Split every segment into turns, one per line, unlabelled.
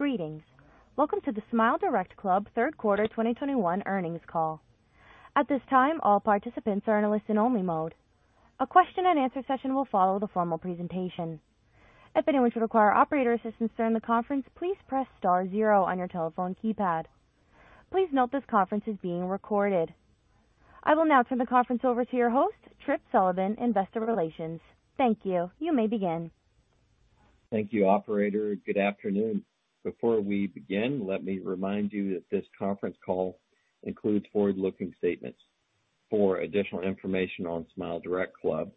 Greetings. Welcome to the SmileDirectClub third quarter 2021 earnings call. At this time, all participants are in a listen only mode. A question-and-answer session will follow the formal presentation. If anyone should require operator assistance during the conference, please press *0 on your telephone keypad. Please note this conference is being recorded. I will now turn the conference over to your host, Tripp Sullivan, Investor Relations. Thank you. You may begin.
Thank you, operator. Good afternoon. Before we begin, let me remind you that this conference call includes forward-looking statements. For additional information on SmileDirectClub,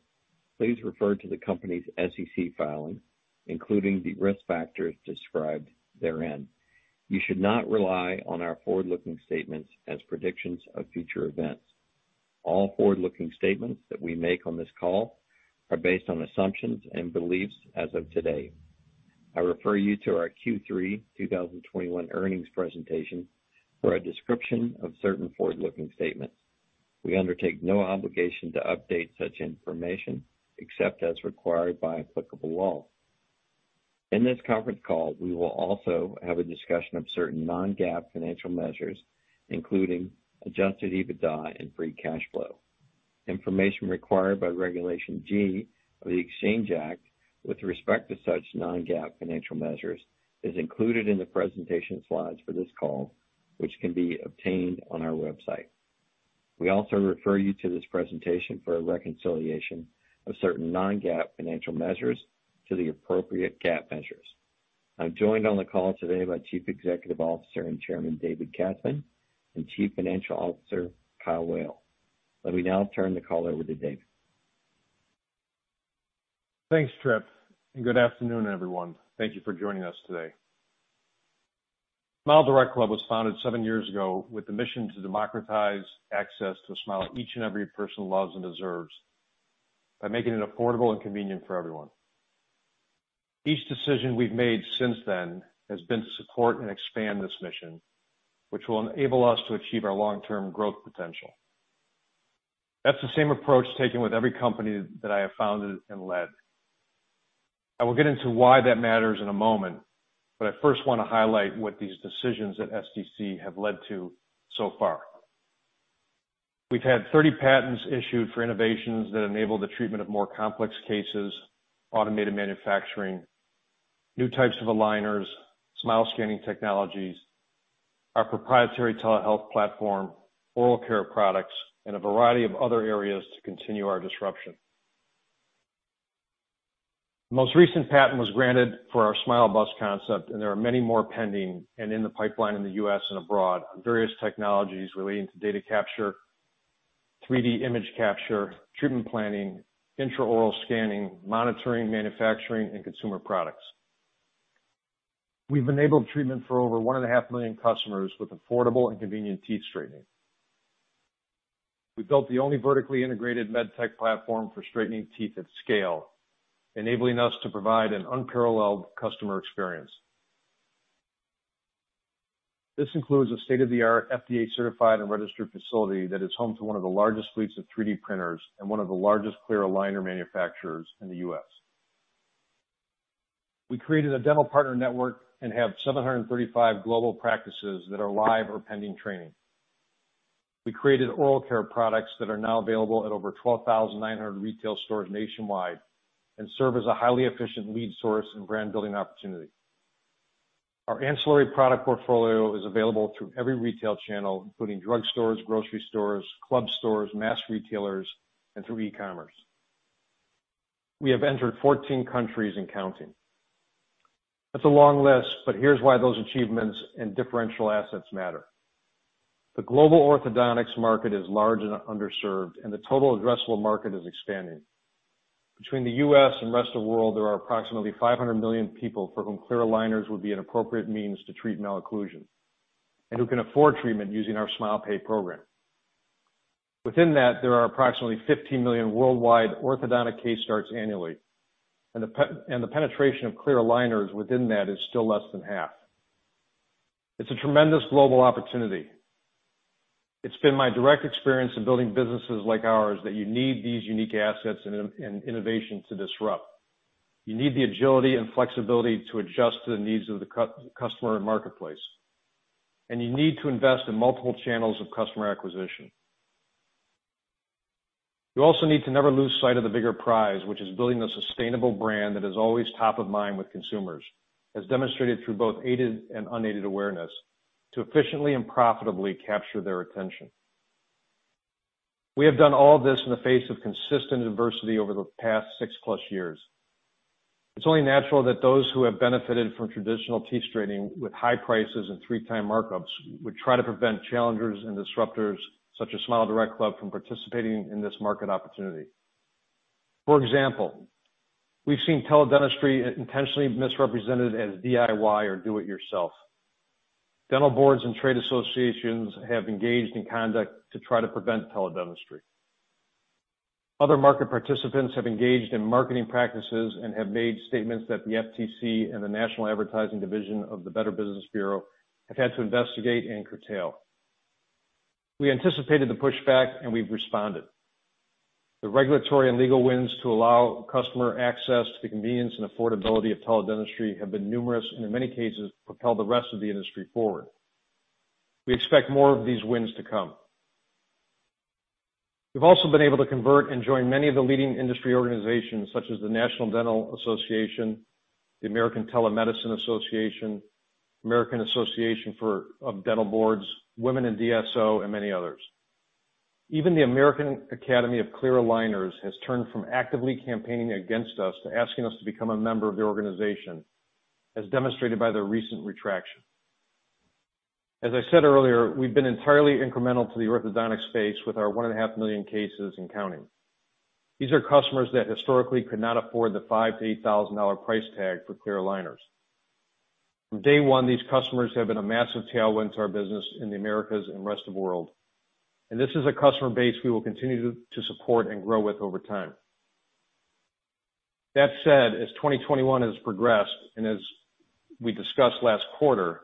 please refer to the company's SEC filing, including the risk factors described therein. You should not rely on our forward-looking statements as predictions of future events. All forward-looking statements that we make on this call are based on assumptions and beliefs as of today. I refer you to our Q3 2021 earnings presentation for a description of certain forward-looking statements. We undertake no obligation to update such information except as required by applicable law. In this conference call, we will also have a discussion of certain non-GAAP financial measures, including adjusted EBITDA and free cash flow. Information required by Regulation G of the Exchange Act with respect to such non-GAAP financial measures is included in the presentation slides for this call, which can be obtained on our website. We also refer you to this presentation for a reconciliation of certain non-GAAP financial measures to the appropriate GAAP measures. I'm joined on the call today by Chief Executive Officer and Chairman, David Katzman, and Chief Financial Officer, Kyle Wailes. Let me now turn the call over to David.
Thanks, Tripp, and good afternoon, everyone. Thank you for joining us today. SmileDirectClub was founded 7 years ago with the mission to democratize access to a smile each and every person loves and deserves by making it affordable and convenient for everyone. Each decision we've made since then has been to support and expand this mission, which will enable us to achieve our long-term growth potential. That's the same approach taken with every company that I have founded and led. I will get into why that matters in a moment, but I first want to highlight what these decisions at SDC have led to so far. We've had 30 patents issued for innovations that enable the treatment of more complex cases, automated manufacturing, new types of aligners, smile scanning technologies, our proprietary telehealth platform, oral care products, and a variety of other areas to continue our disruption. The most recent patent was granted for our SmileBus concept. There are many more pending and in the pipeline in the U.S. and abroad, various technologies relating to data capture, 3D image capture, treatment planning, intraoral scanning, monitoring, manufacturing, and consumer products. We've enabled treatment for over 1.5 million customers with affordable and convenient teeth straightening. We built the only vertically integrated med tech platform for straightening teeth at scale, enabling us to provide an unparalleled customer experience. This includes a state-of-the-art FDA certified and registered facility that is home to one of the largest fleets of 3D printers and one of the largest clear aligner manufacturers in the U.S. We created a dental partner network and have 735 global practices that are live or pending training. We created oral care products that are now available at over 12,900 retail stores nationwide and serve as a highly efficient lead source and brand building opportunity. Our ancillary product portfolio is available through every retail channel, including drugstores, grocery stores, club stores, mass retailers, and through e-commerce. We have entered 14 countries and counting. That's a long list, but here's why those achievements and differential assets matter. The global orthodontics market is large and underserved, and the total addressable market is expanding. Between the U.S. and rest of world, there are approximately 500 million people for whom clear aligners would be an appropriate means to treat malocclusion and who can afford treatment using our SmilePay program. Within that, there are approximately 15 million worldwide orthodontic case starts annually, and the penetration of clear aligners within that is still less than half. It's a tremendous global opportunity. It's been my direct experience in building businesses like ours that you need these unique assets and innovation to disrupt. You need the agility and flexibility to adjust to the needs of the customer and marketplace, and you need to invest in multiple channels of customer acquisition. You also need to never lose sight of the bigger prize, which is building a sustainable brand that is always top of mind with consumers, as demonstrated through both aided and unaided awareness to efficiently and profitably capture their attention. We have done all of this in the face of consistent adversity over the past six-plus years. It's only natural that those who have benefited from traditional teeth straightening with high prices and three-time markups would try to prevent challengers and disruptors such as SmileDirectClub from participating in this market opportunity. For example, we've seen teledentistry intentionally misrepresented as DIY or do it yourself. Dental boards and trade associations have engaged in conduct to try to prevent teledentistry. Other market participants have engaged in marketing practices and have made statements that the FTC and the National Advertising Division of the Better Business Bureau have had to investigate and curtail. We anticipated the pushback and we've responded. The regulatory and legal wins to allow customer access to the convenience and affordability of teledentistry have been numerous, and in many cases propelled the rest of the industry forward. We expect more of these wins to come. We've also been able to convert and join many of the leading industry organizations such as the National Dental Association, the American Telemedicine Association, American Association of Dental Boards, Women in DSO, and many others. Even the American Academy of Clear Aligners has turned from actively campaigning against us to asking us to become a member of their organization, as demonstrated by their recent retraction. As I said earlier, we've been entirely incremental to the orthodontic space with our 1.5 million cases and counting. These are customers that historically could not afford the $5,000-$8,000 price tag for clear aligners. From day one, these customers have been a massive tailwind to our business in the Americas and rest of world, and this is a customer base we will continue to support and grow with over time. That said, as 2021 has progressed and as we discussed last quarter,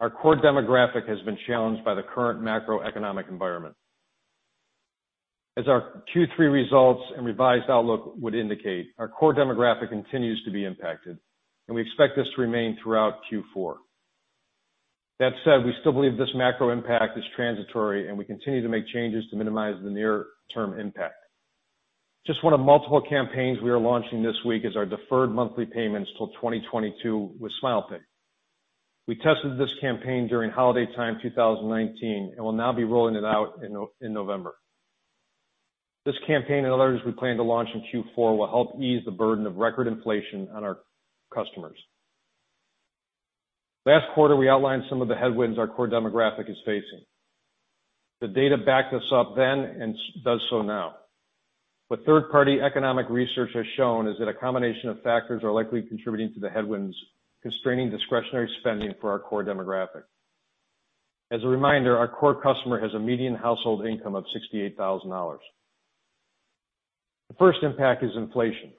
our core demographic has been challenged by the current macroeconomic environment. As our Q3 results and revised outlook would indicate, our core demographic continues to be impacted. We expect this to remain throughout Q4. That said, we still believe this macro impact is transitory. We continue to make changes to minimize the near-term impact. Just one of multiple campaigns we are launching this week is our deferred monthly payments till 2022 with SmilePay. We tested this campaign during holiday time 2019. We'll now be rolling it out in November. This campaign and others we plan to launch in Q4 will help ease the burden of record inflation on our customers. Last quarter, we outlined some of the headwinds our core demographic is facing. The data backed us up then and does so now. What third-party economic research has shown is that a combination of factors are likely contributing to the headwinds constraining discretionary spending for our core demographic. As a reminder, our core customer has a median household income of $68,000. The first impact is inflation.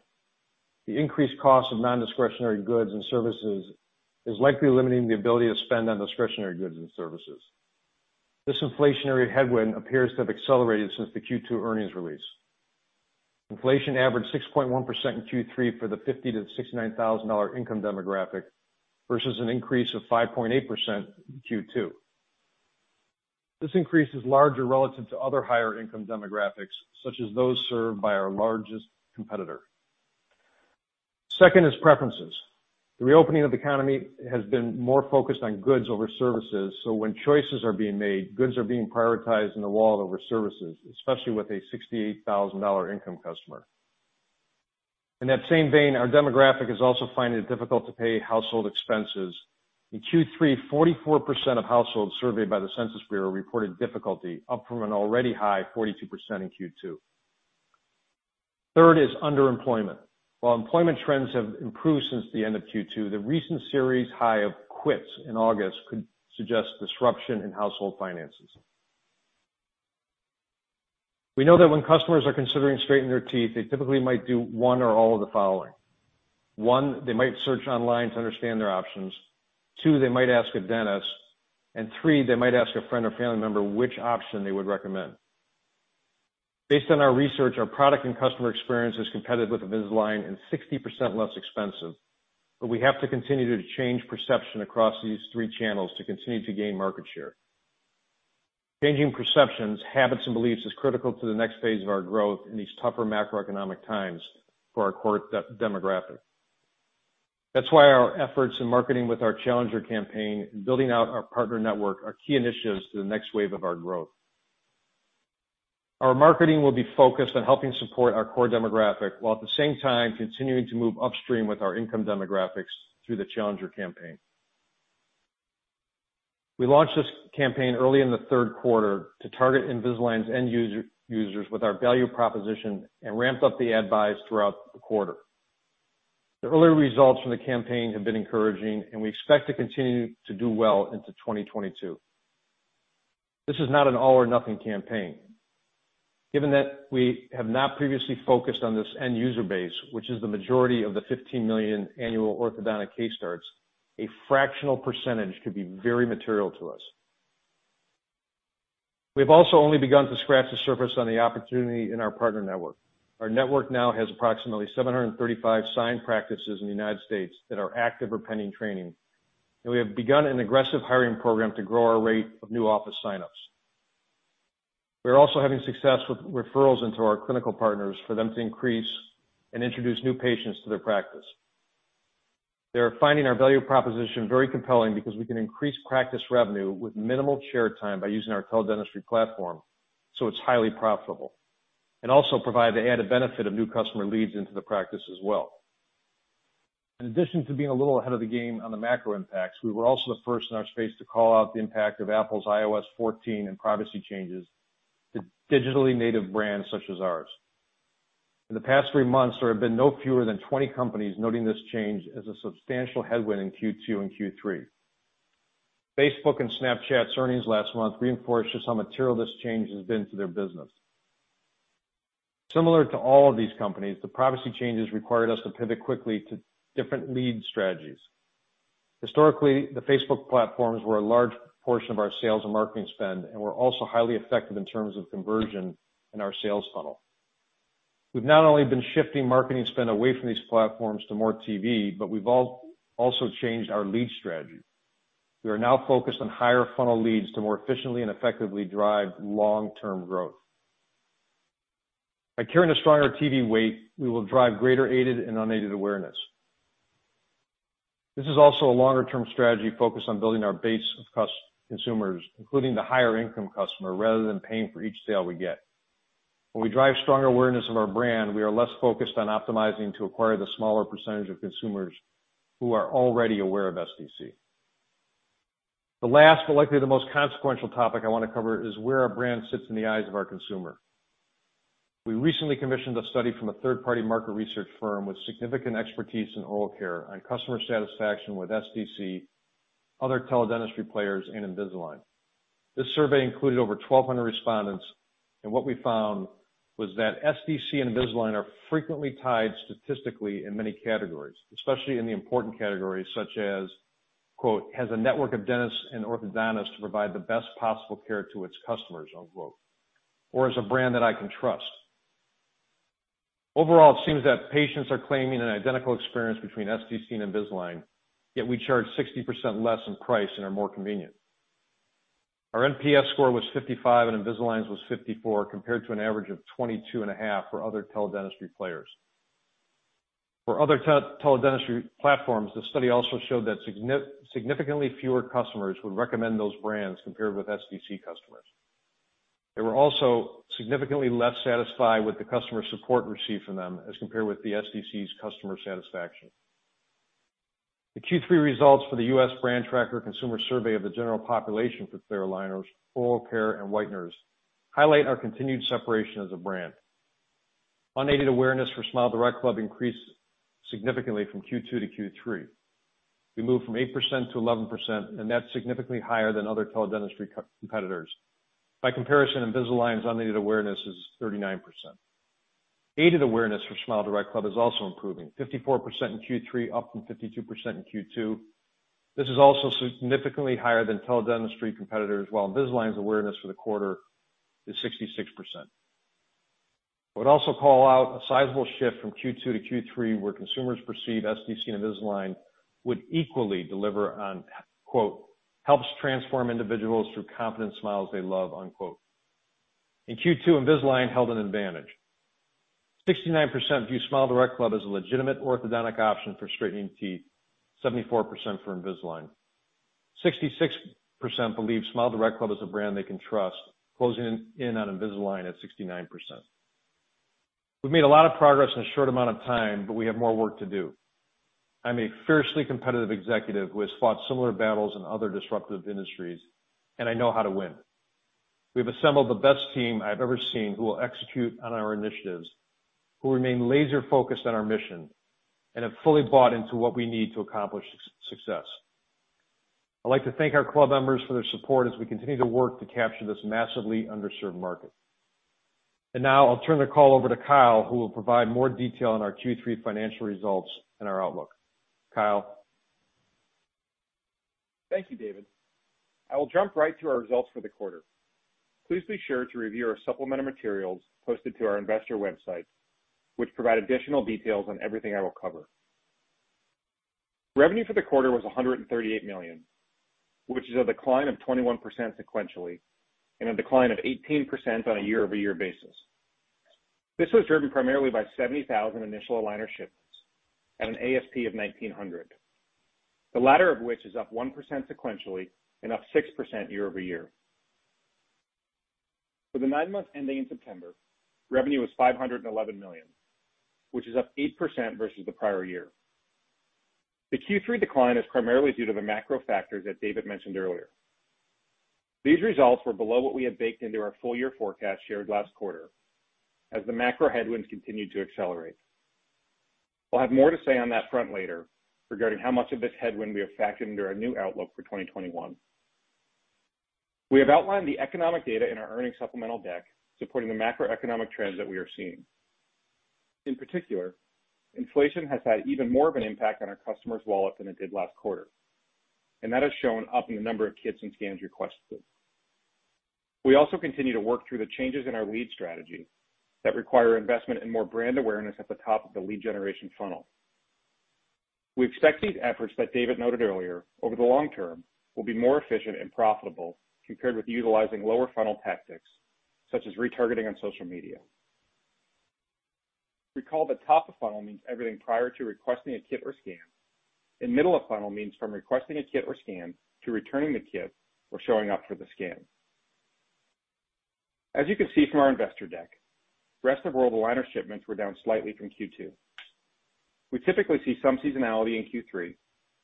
The increased cost of non-discretionary goods and services is likely limiting the ability to spend on discretionary goods and services. This inflationary headwind appears to have accelerated since the Q2 earnings release. Inflation averaged 6.1% in Q3 for the $50,000-$69,000 income demographic, versus an increase of 5.8% in Q2. This increase is larger relative to other higher income demographics, such as those served by our largest competitor. Second is preferences. The reopening of the economy has been more focused on goods over services, when choices are being made, goods are being prioritized overall over services, especially with a $68,000 income customer. In that same vein, our demographic is also finding it difficult to pay household expenses. In Q3, 44% of households surveyed by the Census Bureau reported difficulty, up from an already high 42% in Q2. Third is underemployment. While employment trends have improved since the end of Q2, the recent series high of quits in August could suggest disruption in household finances. We know that when customers are considering straightening their teeth, they typically might do one or all of the following. One, they might search online to understand their options. Two, they might ask a dentist. And three, they might ask a friend or family member which option they would recommend. Based on our research, our product and customer experience is competitive with Invisalign and 60% less expensive, but we have to continue to change perception across these three channels to continue to gain market share. Changing perceptions, habits, and beliefs is critical to the next phase of our growth in these tougher macroeconomic times for our core demographic. That's why our efforts in marketing with our Challenger Campaign and building out our partner network are key initiatives to the next wave of our growth. Our marketing will be focused on helping support our core demographic, while at the same time continuing to move upstream with our income demographics through the Challenger Campaign. We launched this campaign early in the third quarter to target Invisalign's end users with our value proposition and ramped up the ad buys throughout the quarter. The early results from the Challenger Campaign have been encouraging. We expect to continue to do well into 2022. This is not an all or nothing Challenger Campaign. Given that we have not previously focused on this end user base, which is the majority of the 15 million annual orthodontic case starts, a fractional percentage could be very material to us. We've also only begun to scratch the surface on the opportunity in our partner network. Our network now has approximately 735 signed practices in the U.S. that are active or pending training. We have begun an aggressive hiring program to grow our rate of new office signups. We are also having success with referrals into our clinical partners for them to increase and introduce new patients to their practice. They are finding our value proposition very compelling because we can increase practice revenue with minimal chair time by using our teledentistry platform, so it's highly profitable, and also provide the added benefit of new customer leads into the practice as well. In addition to being a little ahead of the game on the macro impacts, we were also the first in our space to call out the impact of Apple's iOS 14 and privacy changes to digitally native brands such as ours. In the past 3 months, there have been no fewer than 20 companies noting this change as a substantial headwind in Q2 and Q3. Facebook and Snap's earnings last month reinforced just how material this change has been to their business. Similar to all of these companies, the privacy changes required us to pivot quickly to different lead strategies. Historically, the Facebook platforms were a large portion of our sales and marketing spend, and were also highly effective in terms of conversion in our sales funnel. We've not only been shifting marketing spend away from these platforms to more TV, we've also changed our lead strategy. We are now focused on higher funnel leads to more efficiently and effectively drive long-term growth. By carrying a stronger TV weight, we will drive greater aided and unaided awareness. This is also a longer-term strategy focused on building our base of consumers, including the higher income customer, rather than paying for each sale we get. When we drive stronger awareness of our brand, we are less focused on optimizing to acquire the smaller percentage of consumers who are already aware of SDC. The last, but likely the most consequential topic I wanna cover is where our brand sits in the eyes of our consumer. We recently commissioned a study from a third-party market research firm with significant expertise in oral care on customer satisfaction with SDC, other teledentistry players, and Invisalign. This survey included over 1,200 respondents, and what we found was that SDC and Invisalign are frequently tied statistically in many categories, especially in the important categories such as quote, "Has a network of dentists and orthodontists to provide the best possible care to its customers," unquote, or as a brand that I can trust. Overall, it seems that patients are claiming an identical experience between SDC and Invisalign, yet we charge 60% less in price and are more convenient. Our NPS score was 55 and Invisalign's was 54, compared to an average of 22 and a half for other teledentistry players. For other teledentistry platforms, the study also showed that significantly fewer customers would recommend those brands compared with SDC customers. They were also significantly less satisfied with the customer support received from them as compared with the SDC's customer satisfaction. The Q3 results for the U.S. brand tracker consumer survey of the general population for clear aligners, oral care, and whiteners highlight our continued separation as a brand. Unaided awareness for SmileDirectClub increased significantly from Q2 to Q3. We moved from 8% to 11%. That's significantly higher than other teledentistry competitors. By comparison, Invisalign's unaided awareness is 39%. Aided awareness for SmileDirectClub is also improving, 54% in Q3, up from 52% in Q2. This is also significantly higher than teledentistry competitors, while Invisalign's awareness for the quarter is 66%. I would also call out a sizable shift from Q2 to Q3, where consumers perceive SDC and Invisalign would equally deliver on, quote, "Helps transform individuals through confident smiles they love," unquote. In Q2, Invisalign held an advantage. 69% view SmileDirectClub as a legitimate orthodontic option for straightening teeth, 74% for Invisalign. 66% believe SmileDirectClub is a brand they can trust, closing in on Invisalign at 69%. We've made a lot of progress in a short amount of time, but we have more work to do. I'm a fiercely competitive executive who has fought similar battles in other disruptive industries, and I know how to win. We've assembled the best team I've ever seen who will execute on our initiatives, who remain laser focused on our mission and have fully bought into what we need to accomplish success. I'd like to thank our club members for their support as we continue to work to capture this massively underserved market. Now I'll turn the call over to Kyle, who will provide more detail on our Q3 financial results and our outlook. Kyle?
Thank you, David Katzman. I will jump right to our results for the quarter. Please be sure to review our supplemental materials posted to our investor website, which provide additional details on everything I will cover. Revenue for the quarter was $138 million, which is a decline of 21% sequentially. A decline of 18% on a year-over-year basis. This was driven primarily by 70,000 initial aligner shipments at an ASP of $1,900. The latter of which is up 1% sequentially and up 6% year-over-year. For the nine months ending in September, revenue was $511 million, which is up 8% versus the prior year. The Q3 decline is primarily due to the macro factors that David Katzman mentioned earlier. These results were below what we had baked into our full year forecast shared last quarter as the macro headwinds continued to accelerate. We'll have more to say on that front later regarding how much of this headwind we have factored into our new outlook for 2021. We have outlined the economic data in our earnings supplemental deck supporting the macroeconomic trends that we are seeing. In particular, inflation has had even more of an impact on our customers' wallets than it did last quarter, and that has shown up in the number of kits and scans requested. We also continue to work through the changes in our lead strategy that require investment and more brand awareness at the top of the lead generation funnel. We expect these efforts that David noted earlier over the long term will be more efficient and profitable compared with utilizing lower funnel tactics, such as retargeting on social media. Recall that top of funnel means everything prior to requesting a kit or scan, and middle of funnel means from requesting a kit or scan to returning the kit or showing up for the scan. As you can see from our investor deck, rest of world aligner shipments were down slightly from Q2. We typically see some seasonality in Q3,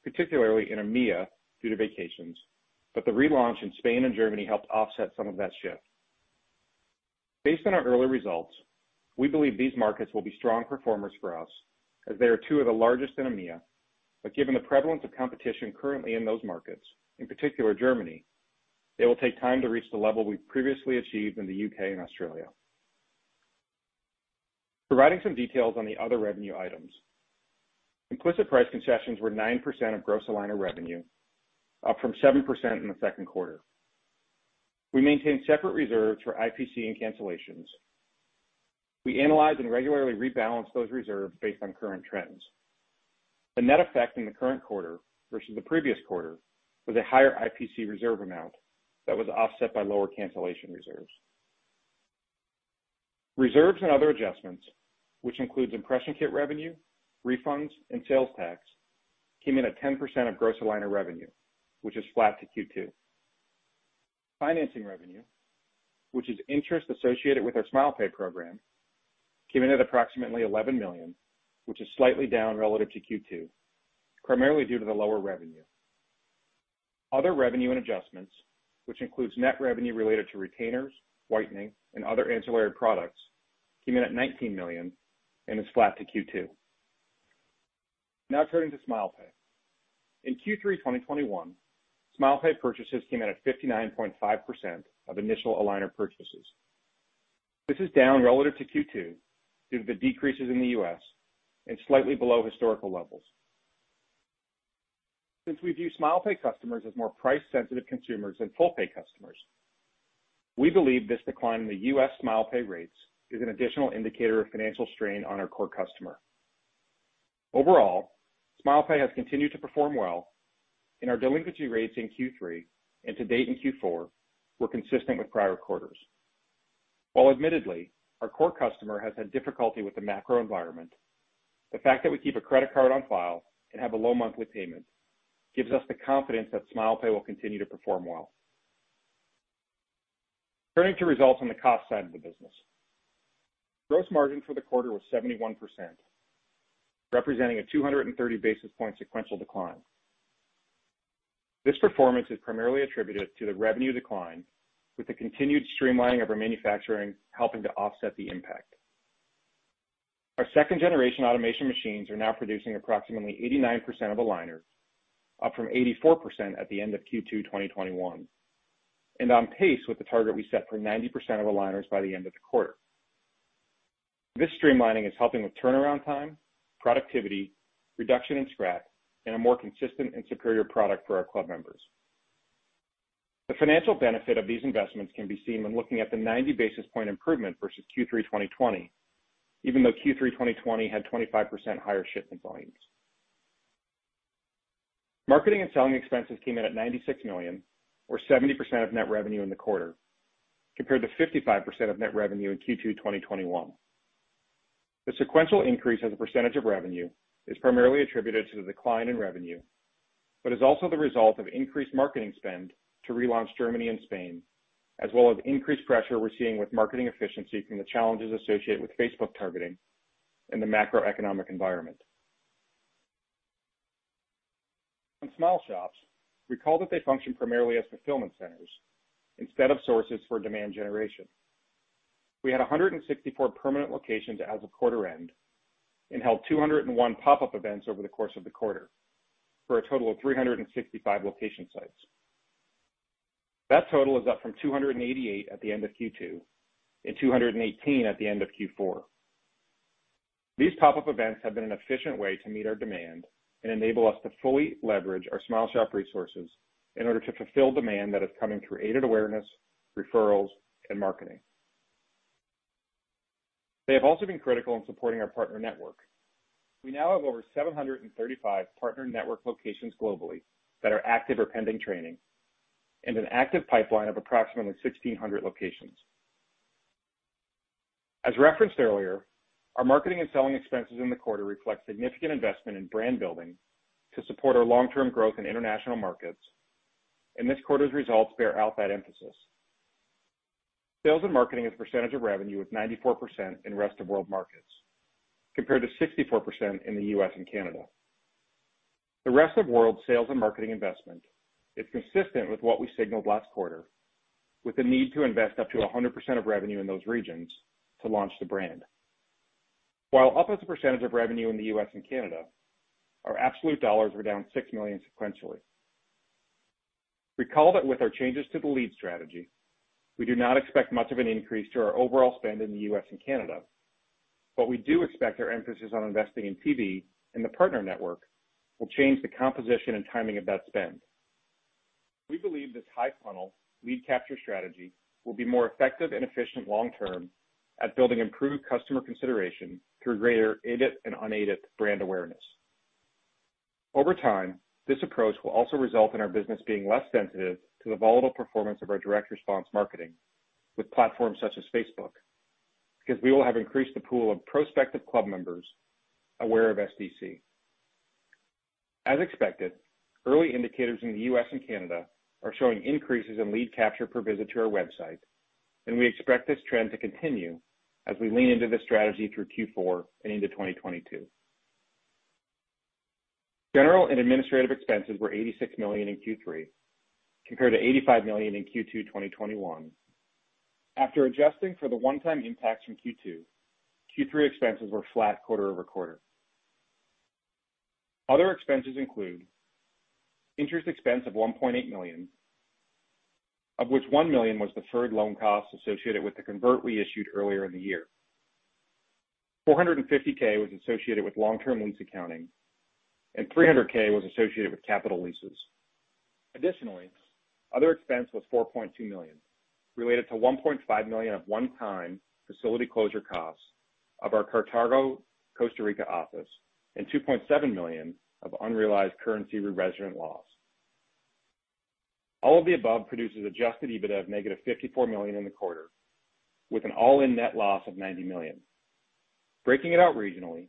particularly in EMEA due to vacations, but the relaunch in Spain and Germany helped offset some of that shift. Based on our early results, we believe these markets will be strong performers for us as they are two of the largest in EMEA. Given the prevalence of competition currently in those markets, in particular Germany. It will take time to reach the level we previously achieved in the U.K. and Australia. Providing some details on the other revenue items. Implicit price concessions were 9% of gross aligner revenue, up from 7% in the second quarter. We maintain separate reserves for IPC and cancellations. We analyze and regularly rebalance those reserves based on current trends. The net effect in the current quarter versus the previous quarter was a higher IPC reserve amount that was offset by lower cancellation reserves. Reserves and other adjustments, which includes impression kit revenue, refunds, and sales tax, came in at 10% of gross aligner revenue, which is flat to Q2. Financing revenue, which is interest associated with our SmilePay program, came in at approximately $11 million, which is slightly down relative to Q2, primarily due to the lower revenue. Other revenue and adjustments, which includes net revenue related to retainers, whitening, and other ancillary products, came in at $19 million and is flat to Q2. Now turning to SmilePay. In Q3 2021, SmilePay purchases came in at 59.5% of initial aligner purchases. This is down relative to Q2 due to the decreases in the U.S. and slightly below historical levels. Since we view SmilePay customers as more price-sensitive consumers than full-pay customers, we believe this decline in the U.S. SmilePay rates is an additional indicator of financial strain on our core customer. Overall, SmilePay has continued to perform well, and our delinquency rates in Q3 and to date in Q4 were consistent with prior quarters. While admittedly, our core customer has had difficulty with the macro environment, the fact that we keep a credit card on file and have a low monthly payment gives us the confidence that SmilePay will continue to perform well. Turning to results on the cost side of the business. Gross margin for the quarter was 71%, representing a 230 basis point sequential decline. This performance is primarily attributed to the revenue decline, with the continued streamlining of our manufacturing helping to offset the impact. Our second-generation automation machines are now producing approximately 89% of aligners, up from 84% at the end of Q2 2021, and on pace with the target we set for 90% of aligners by the end of the quarter. This streamlining is helping with turnaround time, productivity, reduction in scrap, and a more consistent and superior product for our club members. The financial benefit of these investments can be seen when looking at the 90 basis point improvement versus Q3 2020, even though Q3 2020 had 25% higher shipment volumes. Marketing and selling expenses came in at $96 million, or 70% of net revenue in the quarter, compared to 55% of net revenue in Q2 2021. The sequential increase as a percentage of revenue is primarily attributed to the decline in revenue, but is also the result of increased marketing spend to relaunch Germany and Spain, as well as increased pressure we're seeing with marketing efficiency from the challenges associated with Facebook targeting in the macroeconomic environment. On SmileShops, recall that they function primarily as fulfillment centers instead of sources for demand generation. We had 164 permanent locations as of quarter end and held 201 pop-up events over the course of the quarter, for a total of 365 location sites. That total is up from 288 at the end of Q2 and 218 at the end of Q4. These pop-up events have been an efficient way to meet our demand and enable us to fully leverage our SmileShop resources in order to fulfill demand that is coming through aided awareness, referrals, and marketing. They have also been critical in supporting our Partner Network. We now have over 735 Partner Network locations globally that are active or pending training and an active pipeline of approximately 1,600 locations. As referenced earlier, our marketing and selling expenses in the quarter reflect significant investment in brand building to support our long-term growth in international markets, and this quarter's results bear out that emphasis. Sales and marketing as a percentage of revenue is 94% in rest-of-world markets, compared to 64% in the U.S. and Canada. The rest-of-world sales and marketing investment is consistent with what we signaled last quarter, with the need to invest up to 100% of revenue in those regions to launch the brand. While up as a percentage of revenue in the U.S. and Canada, our absolute dollars were down $6 million sequentially. Recall that with our changes to the lead strategy, we do not expect much of an increase to our overall spend in the U.S. and Canada, we do expect our emphasis on investing in PD and the partner network will change the composition and timing of that spend. We believe this high-funnel lead capture strategy will be more effective and efficient long term at building improved customer consideration through greater aided and unaided brand awareness. Over time, this approach will also result in our business being less sensitive to the volatile performance of our direct response marketing with platforms such as Facebook, because we will have increased the pool of prospective club members aware of SDC. As expected, early indicators in the U.S. and Canada are showing increases in lead capture per visit to our website, and we expect this trend to continue as we lean into this strategy through Q4 and into 2022. General and administrative expenses were $86 million in Q3, compared to $85 million in Q2 2021. After adjusting for the one-time impacts from Q2, Q3 expenses were flat quarter-over-quarter. Other expenses include interest expense of $1.8 million, of which $1 million was deferred loan costs associated with the convert we issued earlier in the year. $450K was associated with long-term lease accounting, and $300K was associated with capital leases. Additionally, other expense was $4.2 million, related to $1.5 million of one-time facility closure costs of our Cartago, Costa Rica office and $2.7 million of unrealized currency re-measurement loss. All of the above produces adjusted EBITDA of negative $54 million in the quarter, with an all-in net loss of $90 million. Breaking it out regionally,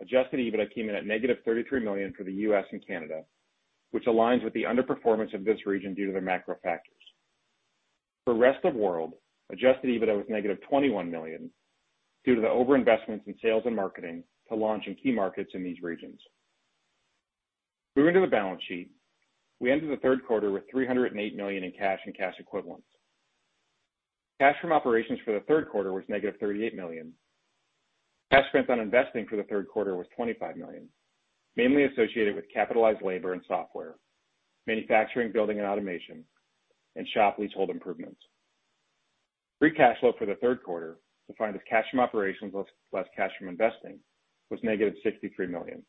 adjusted EBITDA came in at negative $33 million for the U.S. and Canada, which aligns with the underperformance of this region due to the macro factors. For rest of world, adjusted EBITDA was negative $21 million due to the overinvestments in sales and marketing to launch in key markets in these regions. Moving to the balance sheet. We ended the third quarter with $308 million in cash and cash equivalents. Cash from operations for the third quarter was negative $38 million. Cash spent on investing for the third quarter was $25 million, mainly associated with capitalized labor and software, manufacturing, building and automation, and shop leasehold improvements. Free cash flow for the third quarter, defined as cash from operations less cash from investing, was negative $63 million.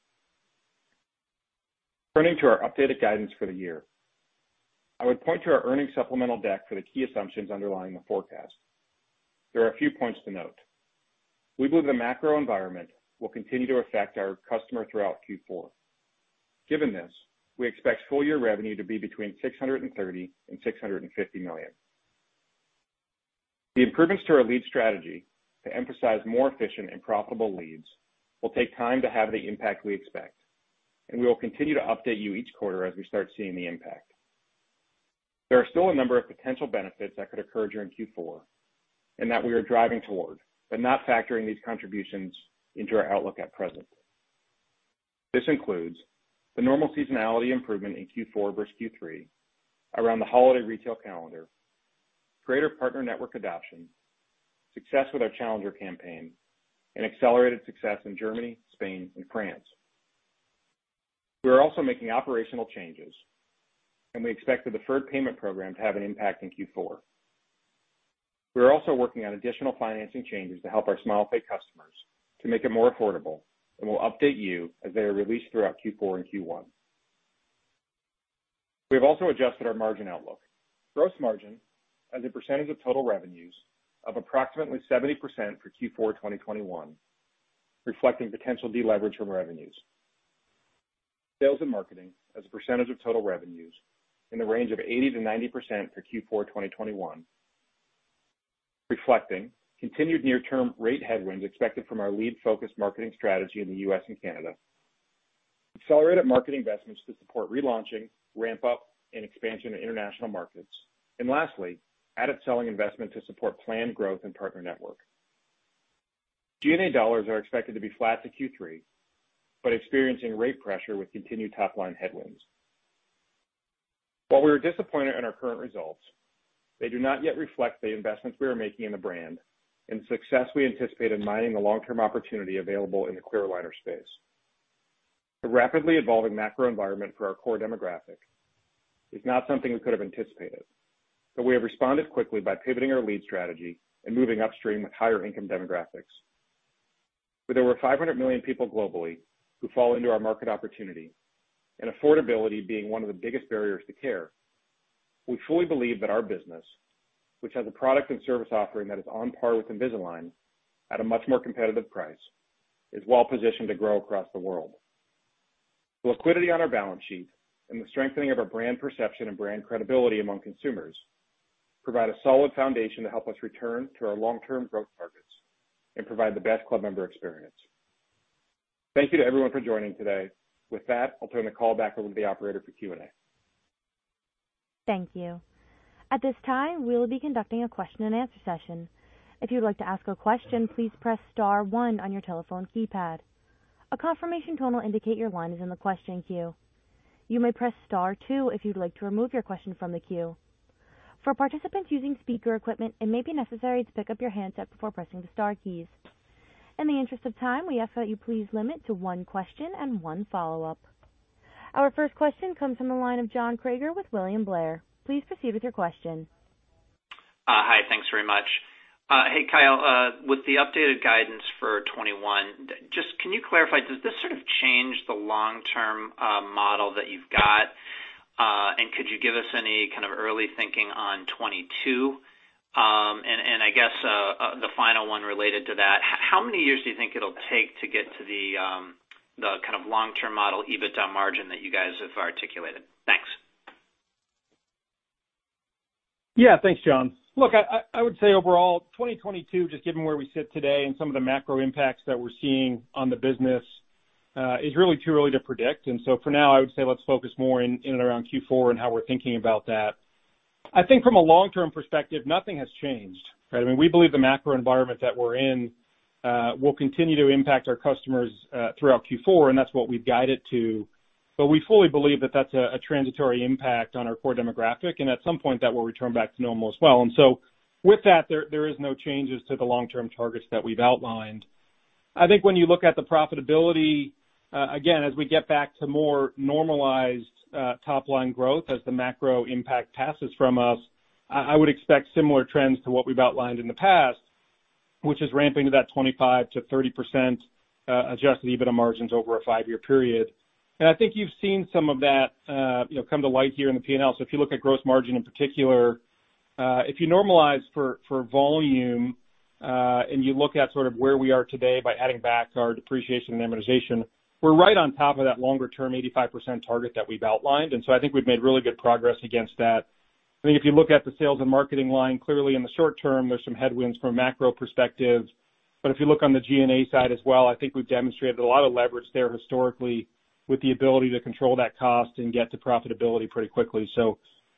Turning to our updated guidance for the year. I would point to our earnings supplemental deck for the key assumptions underlying the forecast. There are a few points to note. We believe the macro environment will continue to affect our customer throughout Q4. Given this, we expect full year revenue to be between $630 million and $650 million. The improvements to our lead strategy to emphasize more efficient and profitable leads will take time to have the impact we expect, and we will continue to update you each quarter as we start seeing the impact. There are still a number of potential benefits that could occur during Q4 and that we are driving toward, but not factoring these contributions into our outlook at present. This includes the normal seasonality improvement in Q4 versus Q3 around the holiday retail calendar, greater partner network adoption, success with our Challenger Campaign, and accelerated success in Germany, Spain, and France. We are also making operational changes, and we expect the deferred payment program to have an impact in Q4. We are also working on additional financing changes to help our SmilePay customers to make it more affordable, and we'll update you as they are released throughout Q4 and Q1. We have also adjusted our margin outlook. Gross margin as a percentage of total revenues of approximately 70% for Q4 2021, reflecting potential deleverage from revenues. Sales and marketing as a percentage of total revenues in the range of 80%-90% for Q4 2021, reflecting continued near-term rate headwinds expected from our lead-focused marketing strategy in the U.S. and Canada, accelerated market investments to support relaunching, ramp up and expansion to international markets. Lastly, added selling investment to support planned growth and partner network. G&A dollars are expected to be flat to Q3, but experiencing rate pressure with continued top line headwinds. While we are disappointed in our current results, they do not yet reflect the investments we are making in the brand and success we anticipate in mining the long-term opportunity available in the clear aligner space. The rapidly evolving macro environment for our core demographic is not something we could have anticipated, but we have responded quickly by pivoting our lead strategy and moving upstream with higher income demographics. With over 500 million people globally who fall into our market opportunity and affordability being one of the biggest barriers to care, we fully believe that our business, which has a product and service offering that is on par with Invisalign at a much more competitive price, is well positioned to grow across the world. The liquidity on our balance sheet and the strengthening of our brand perception and brand credibility among consumers provide a solid foundation to help us return to our long-term growth targets and provide the best club member experience. Thank you to everyone for joining today. With that, I'll turn the call back over to the operator for Q&A.
Thank you. At this time, we will be conducting a question-and-answer session. If you would like to ask a question, please press *1 on your telephone keypad. A confirmation tone will indicate your line is in the question queue. You may press *2 if you'd like to remove your question from the queue. For participants using speaker equipment, it may be necessary to pick up your handset before pressing the * keys. In the interest of time, we ask that you please limit to one question and one follow-up. Our first question comes from the line of John Kreger with William Blair. Please proceed with your question.
Hi. Thanks very much. Hey, Kyle. With the updated guidance for 2021, just can you clarify, does this sort of change the long-term model that you've got? Could you give us any kind of early thinking on 2022? And I guess, the final one related to that, how many years do you think it'll take to get to the kind of long-term model EBITDA margin that you guys have articulated? Thanks.
Thanks, John. Look, I would say overall, 2022, just given where we sit today and some of the macro impacts that we're seeing on the business, is really too early to predict. For now, I would say let's focus more in and around Q4 and how we're thinking about that. I think from a long-term perspective, nothing has changed, right? I mean, we believe the macro environment that we're in, will continue to impact our customers, throughout Q4, and that's what we've guided to. We fully believe that that's a transitory impact on our core demographic, and at some point, that will return back to normal as well. With that, there is no changes to the long-term targets that we've outlined. I think when you look at the profitability, again, as we get back to more normalized, top line growth as the macro impact passes from us, I would expect similar trends to what we've outlined in the past, which is ramping to that 25%-30% adjusted EBITDA margins over a 5-year period. I think you've seen some of that, you know, come to light here in the P&L. If you look at gross margin in particular, if you normalize for volume, and you look at sort of where we are today by adding back our depreciation and amortization, we're right on top of that longer term 85% target that we've outlined. I think we've made really good progress against that. I think if you look at the sales and marketing line, clearly in the short term, there's some headwinds from a macro perspective. If you look on the G&A side as well, I think we've demonstrated a lot of leverage there historically with the ability to control that cost and get to profitability pretty quickly.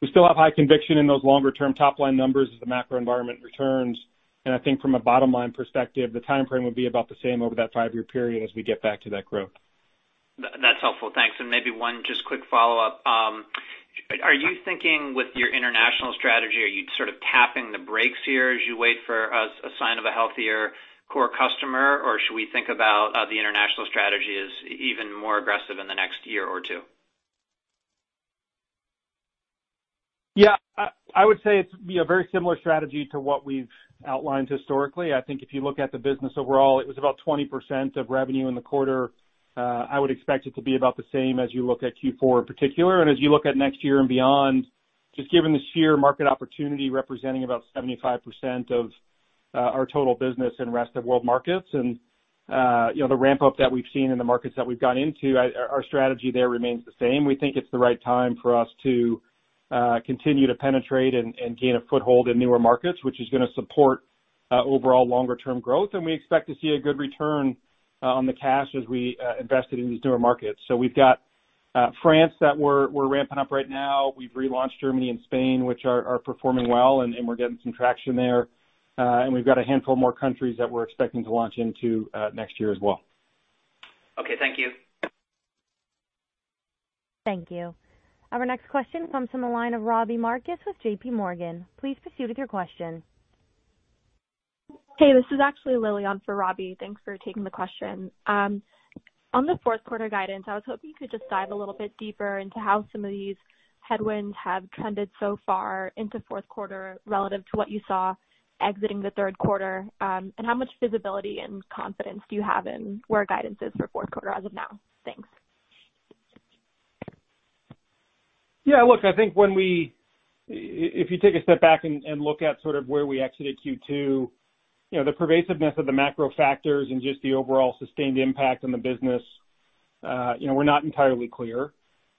We still have high conviction in those longer term top line numbers as the macro environment returns. I think from a bottom line perspective, the timeframe would be about the same over that five-year period as we get back to that growth.
That's helpful. Thanks. Maybe one just quick follow-up. Are you thinking with your international strategy, are you sort of tapping the brakes here as you wait for a sign of a healthier core customer? Or should we think about the international strategy as even more aggressive in the next year or 2?
Yeah. I would say it's, you know, very similar strategy to what we've outlined historically. I think if you look at the business overall, it was about 20% of revenue in the quarter. I would expect it to be about the same as you look at Q4 in particular. As you look at next year and beyond, just given the sheer market opportunity representing about 75% of our total business in rest of world markets and, you know, the ramp up that we've seen in the markets that we've gone into, our strategy there remains the same. We think it's the right time for us to continue to penetrate and gain a foothold in newer markets, which is gonna support overall longer term growth. We expect to see a good return on the cash as we invest it in these newer markets. We've got France that we're ramping up right now. We've relaunched Germany and Spain, which are performing well, and we're getting some traction there. We've got a handful more countries that we're expecting to launch into next year as well.
Okay, thank you.
Thank you. Our next question comes from the line of Robbie Marcus with JPMorgan. Please proceed with your question.
Hey, this is actually Lilia for Robbie. Thanks for taking the question. On the fourth quarter guidance, I was hoping you could just dive a little bit deeper into how some of these headwinds have trended so far into fourth quarter relative to what you saw exiting the third quarter. How much visibility and confidence do you have in where guidance is for fourth quarter as of now? Thanks.
Yeah. Look, I think if you take a step back and look at sort of where we exited Q2, you know, the pervasiveness of the macro factors and just the overall sustained impact on the business, you know, we're not entirely clear.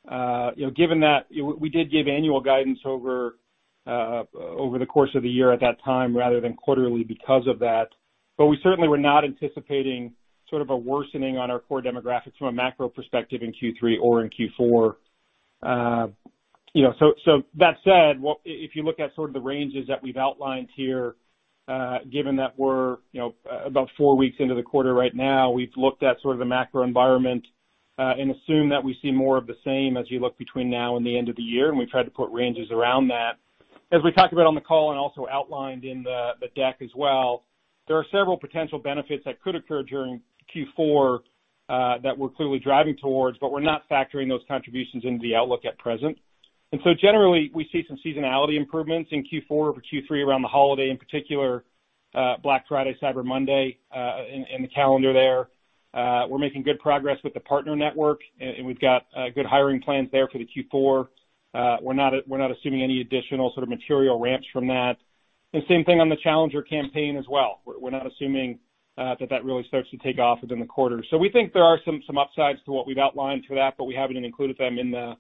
You know, given that we did give annual guidance over the course of the year at that time rather than quarterly because of that. We certainly were not anticipating sort of a worsening on our core demographics from a macro perspective in Q3 or in Q4. you know, so that said, well, if you look at sort of the ranges that we've outlined here, given that we're, you know, about four weeks into the quarter right now, we've looked at sort of the macro environment, and assume that we see more of the same as you look between now and the end of the year, and we've tried to put ranges around that. As we talked about on the call and also outlined in the deck as well, there are several potential benefits that could occur during Q4, that we're clearly driving towards, but we're not factoring those contributions into the outlook at present. Generally, we see some seasonality improvements in Q4 over Q3 around the holiday, in particular, Black Friday, Cyber Monday, in the calendar there. We're making good progress with the partner network, and we've got good hiring plans there for the Q4. We're not assuming any additional sort of material ramps from that. Same thing on the Challenger Campaign as well. We're not assuming that that really starts to take off within the quarter. So we think there are some upsides to what we've outlined to that, but we haven't included them in the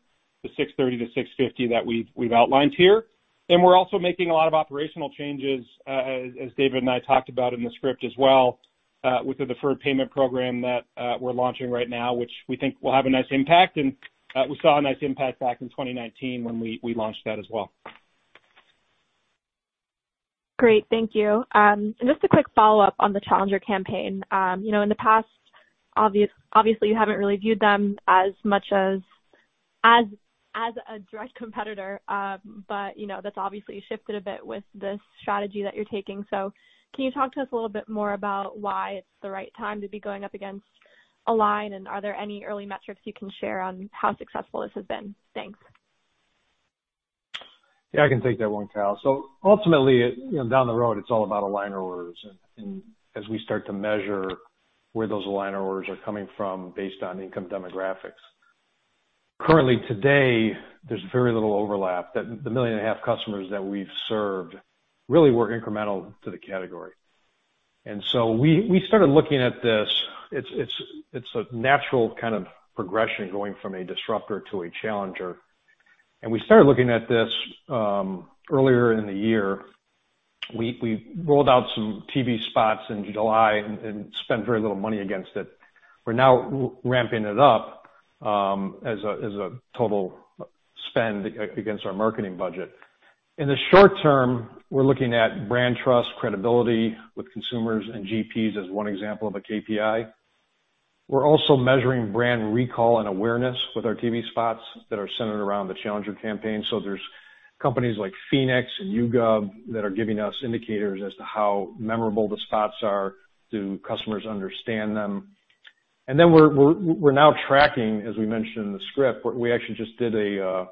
$630 million-$650 million that we've outlined here. We're also making a lot of operational changes, as David and I talked about in the script as well, with the deferred payment program that we're launching right now, which we think will have a nice impact. We saw a nice impact back in 2019 when we launched that as well.
Great. Thank you. Just a quick follow-up on the Challenger Campaign. You know, in the past, obviously, you haven't really viewed them as much as a direct competitor, but you know, that's obviously shifted a bit with the strategy that you're taking. Can you talk to us a little bit more about why it's the right time to be going up against Align? Are there any early metrics you can share on how successful this has been? Thanks.
Yeah, I can take that one, pal. Ultimately, you know, down the road, it's all about Align orders. As we start to measure where those Align orders are coming from based on income demographics. Currently today, there's very little overlap. The 1.5 million customers that we've served really were incremental to the category. We started looking at this. It's a natural kind of progression going from a disruptor to a challenger. We started looking at this earlier in the year. We rolled out some TV spots in July and spent very little money against it. We're now ramping it up as a total spend against our marketing budget. In the short term, we're looking at brand trust, credibility with consumers and GPs as one example of a KPI. We're also measuring brand recall and awareness with our TV spots that are centered around the Challenger Campaign. Companies like Phoenix and YouGov that are giving us indicators as to how memorable the spots are. Do customers understand them? We're now tracking, as we mentioned in the script, we actually just did a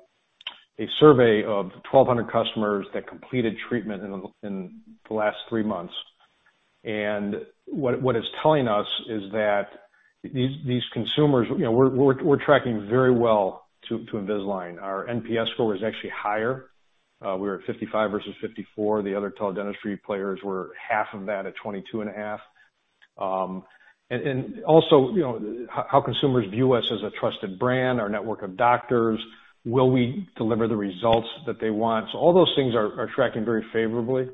survey of 1,200 customers that completed treatment in the last three months. What it's telling us is that these consumers, you know, we're tracking very well to Invisalign. Our NPS score is actually higher. We were at 55 versus 54. The other teledentistry players were half of that at 22 and a half. Also, you know, how consumers view us as a trusted brand, our network of doctors, will we deliver the results that they want? All those things are tracking very favorably.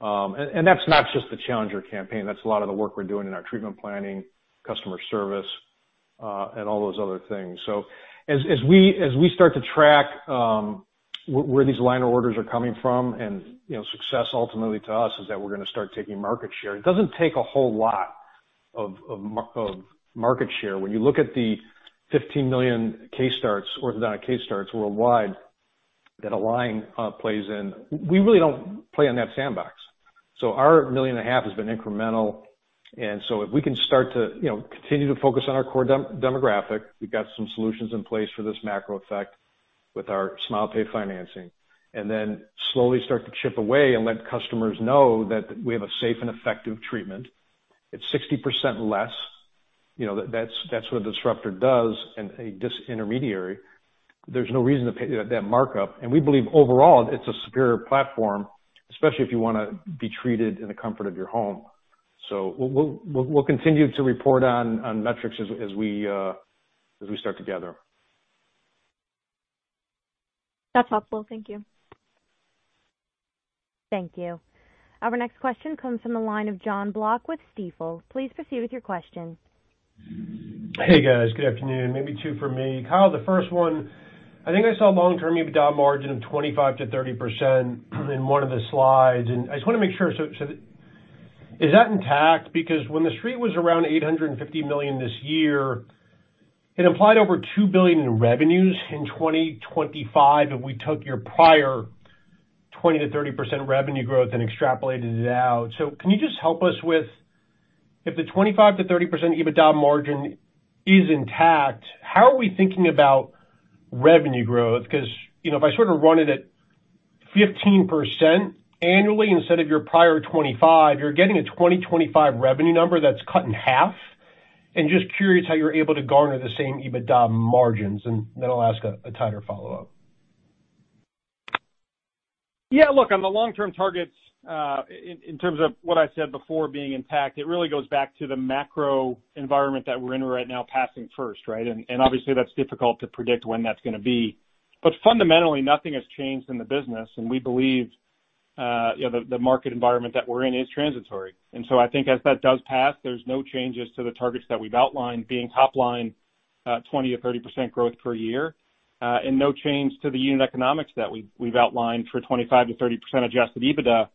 And that's not just the Challenger Campaign, that's a lot of the work we're doing in our treatment planning, customer service, and all those other things. As we start to track where these line orders are coming from, and, you know, success ultimately to us is that we're gonna start taking market share. It doesn't take a whole lot of market share. When you look at the 15 million case starts, orthodontic case starts worldwide that Align plays in, we really don't play in that sandbox. Our million and a half has been incremental. If we can start to, you know, continue to focus on our core demographic, we've got some solutions in place for this macro effect with our SmilePay financing, and then slowly start to chip away and let customers know that we have a safe and effective treatment. It's 60% less, you know, that's what a disruptor does and a disintermediary. There's no reason to pay that markup. We believe overall it's a superior platform, especially if you wanna be treated in the comfort of your home. We'll continue to report on metrics as as we start to gather.
That's helpful. Thank you.
Thank you. Our next question comes from the line of Jonathan Block with Stifel. Please proceed with your question.
Hey, guys. Good afternoon. Maybe two for me. Kyle, the first one, I think I saw long-term EBITDA margin of 25%-30% in one of the slides, and I just wanna make sure. So is that intact? Because when the street was around $850 million this year, it implied over $2 billion in revenues in 2025, and we took your prior 20%-30% revenue growth and extrapolated it out. Can you just help us with if the 25%-30% EBITDA margin is intact, how are we thinking about revenue growth? 'Cause, you know, if I sort of run it at 15% annually instead of your prior 25%, you're getting a 2025 revenue number that's cut in half. Just curious how you're able to garner the same EBITDA margins. I'll ask a tighter follow-up.
Yeah. Look, on the long-term targets, in terms of what I said before being intact, it really goes back to the macro environment that we're in right now passing first, right? Obviously that's difficult to predict when that's gonna be. Fundamentally, nothing has changed in the business. We believe, you know, the market environment that we're in is transitory. So I think as that does pass, there's no changes to the targets that we've outlined being top line, 20%-30% growth per year, and no change to the unit economics that we've outlined for 25%-30% adjusted EBITDA.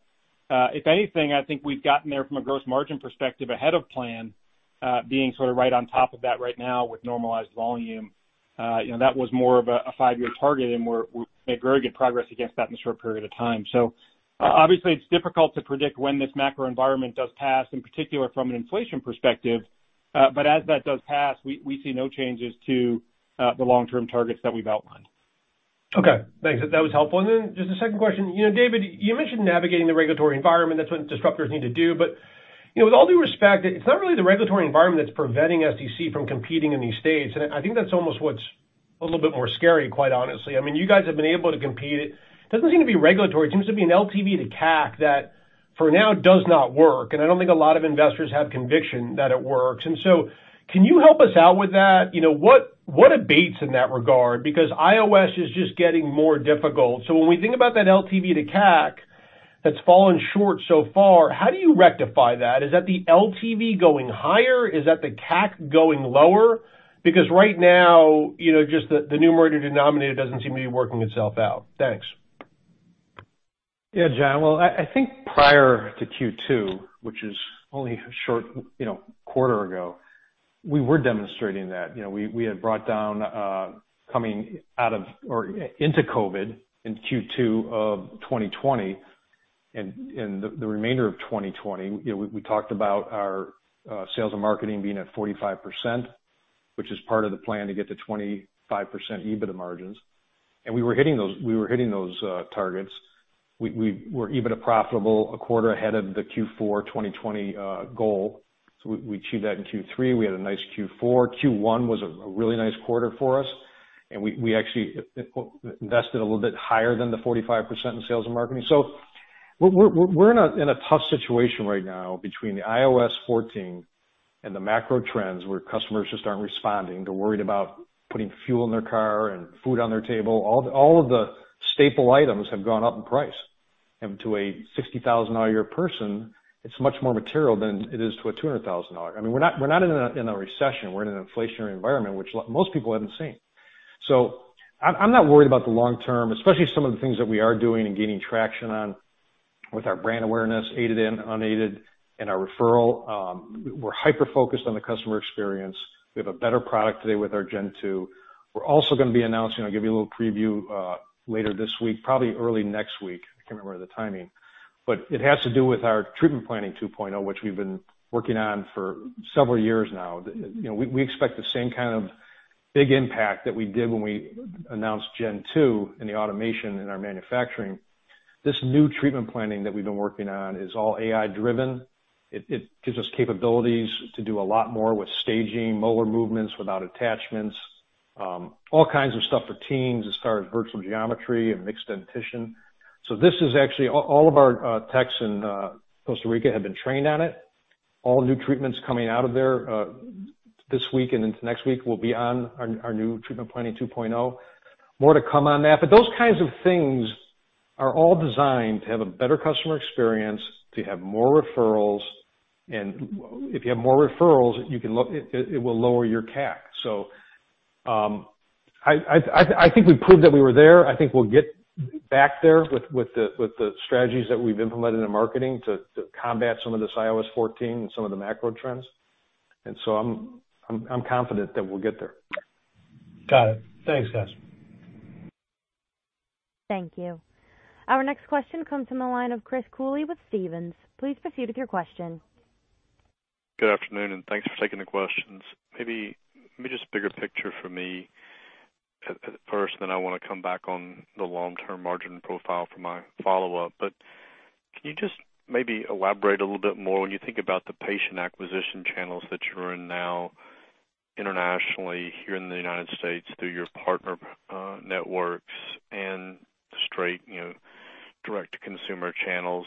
If anything, I think we've gotten there from a gross margin perspective ahead of plan, being sort of right on top of that right now with normalized volume.
You know, that was more of a five-year target, and we're making very good progress against that in a short period of time. Obviously it's difficult to predict when this macro environment does pass, in particular from an inflation perspective. As that does pass, we see no changes to the long-term targets that we've outlined.
Okay, thanks. That was helpful. Just a second question. You know, David, you mentioned navigating the regulatory environment. That's what disruptors need to do. You know, with all due respect, it's not really the regulatory environment that's preventing SDC from competing in these states, and I think that's almost what's a little bit more scary, quite honestly. I mean, you guys have been able to compete. It doesn't seem to be regulatory. It seems to be an LTV to CAC that for now does not work, and I don't think a lot of investors have conviction that it works. Can you help us out with that? You know what abates in that regard? Because iOS is just getting more difficult. When we think about that LTV to CAC that's fallen short so far, how do you rectify that? Is that the LTV going higher? Is that the CAC going lower? Right now, you know, just the numerator denominator doesn't seem to be working itself out. Thanks.
Yeah, John. Well, I think prior to Q2, which is only a short, you know, quarter ago, we were demonstrating that. You know, we had brought down, coming out of or into COVID in Q2 of 2020 and the remainder of 2020, you know, we talked about our sales and marketing being at 45%, which is part of the plan to get to 25% EBITDA margins. We were hitting those targets. We were EBITDA profitable a quarter ahead of the Q4 2020 goal. We achieved that in Q3. We had a nice Q4. Q1 was a really nice quarter for us, and we actually invested a little bit higher than the 45% in sales and marketing. We're in a tough situation right now between the iOS 14 and the macro trends where customers just aren't responding. They're worried about putting fuel in their car and food on their table. All of the staple items have gone up in price. To a $60,000 a year person, it's much more material than it is to a $200,000. I mean, we're not, we're not in a, in a recession, we're in an inflationary environment which most people haven't seen. I'm not worried about the long term, especially some of the things that we are doing and gaining traction on with our brand awareness, aided and unaided and our referral. We're hyper-focused on the customer experience. We have a better product today with our Gen 2. We're also gonna be announcing, I'll give you a little preview, later this week, probably early next week, I can't remember the timing. It has to do with our treatment planning 2.0, which we've been working on for several years now.
You know, we expect the same kind of big impact that we did when we announced Gen 2 and the automation in our manufacturing. This new treatment planning that we've been working on is all AI driven. It gives us capabilities to do a lot more with staging molar movements without attachments, all kinds of stuff for teens as far as virtual geometry and mixed dentition. This is actually all of our techs in Costa Rica have been trained on it. All new treatments coming out of there this week and into next week will be on our new treatment planning 2.0. More to come on that. Those kinds of things are all designed to have a better customer experience, to have more referrals, and if you have more referrals, you can it will lower your CAC. I think we proved that we were there. I think we'll get back there with the strategies that we've implemented in marketing to combat some of this iOS 14 and some of the macro trends. I'm confident that we'll get there.
Got it. Thanks, guys.
Thank you. Our next question comes from the line of Chris Cooley with Stephens. Please proceed with your question.
Good afternoon. Thanks for taking the questions. Maybe just bigger picture for me at first, then I wanna come back on the long-term margin profile for my follow-up. Can you just maybe elaborate a little bit more when you think about the patient acquisition channels that you're in now internationally, here in the U.S., through your partner networks and straight, you know, direct-to-consumer channels,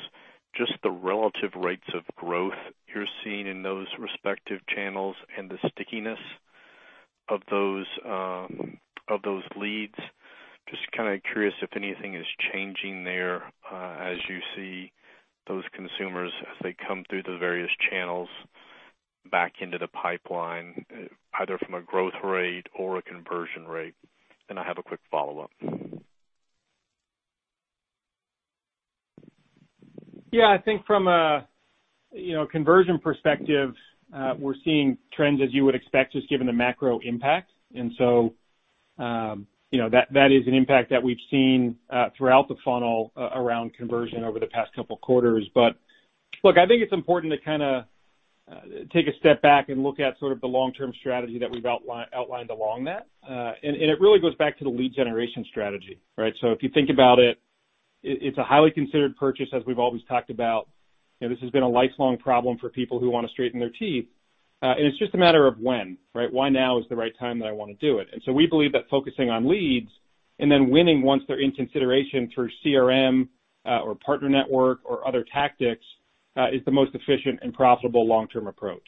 just the relative rates of growth you're seeing in those respective channels and the stickiness of those leads, just kinda curious if anything is changing there, as you see those consumers as they come through the various channels back into the pipeline, either from a growth rate or a conversion rate. I have a quick follow-up.
Yeah. I think from a, you know, conversion perspective, we're seeing trends as you would expect, just given the macro impact. You know, that is an impact that we've seen throughout the funnel around conversion over the past couple quarters. I think it's important to kinda take a step back and look at sort of the long-term strategy that we've outlined along that. It really goes back to the lead generation strategy, right? If you think about it's a highly considered purchase, as we've always talked about. You know, this has been a lifelong problem for people who wanna straighten their teeth, and it's just a matter of when, right? Why now is the right time that I wanna do it? We believe that focusing on leads and then winning once they're in consideration through CRM or partner network or other tactics is the most efficient and profitable long-term approach.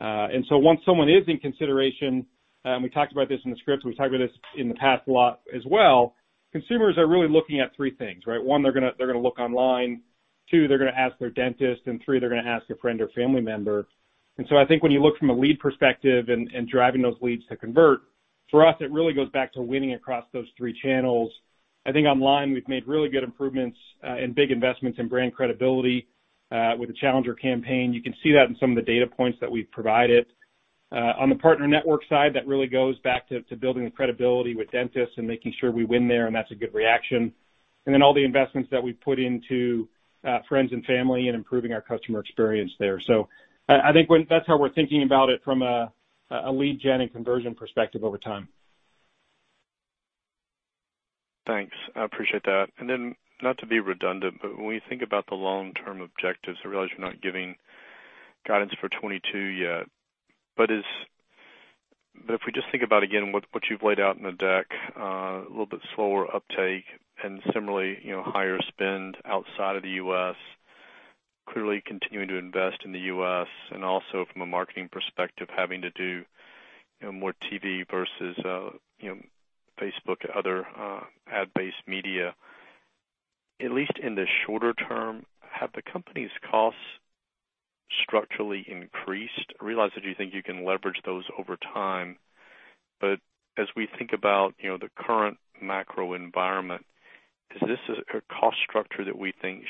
Once someone is in consideration, and we talked about this in the script, we've talked about this in the past a lot as well, consumers are really looking at 3 things, right? 1, they're gonna look online. 2, they're gonna ask their dentist. 3, they're gonna ask a friend or family member. I think when you look from a lead perspective and driving those leads to convert, for us, it really goes back to winning across those 3 channels. I think online we've made really good improvements and big investments in brand credibility with the Challenger Campaign. You can see that in some of the data points that we've provided. On the partner network side, that really goes back to building the credibility with dentists and making sure we win there, and that's a good reaction. All the investments that we've put into friends and family and improving our customer experience there. I think that's how we're thinking about it from a lead gen and conversion perspective over time.
Thanks. I appreciate that. Not to be redundant, but when we think about the long-term objectives, I realize you're not giving guidance for 2022 yet, but if we just think about, again, what you've laid out in the deck, a little bit slower uptake and similarly, you know, higher spend outside of the U.S., clearly continuing to invest in the U.S. and also from a marketing perspective, having to do, you know, more TV versus, you know, Facebook or other ad-based media. At least in the shorter term, have the company's costs structurally increased? I realize that you think you can leverage those over time, but as we think about, you know, the current macro environment, is this a cost structure that we think